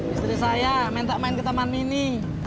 istri saya minta main ke teman ini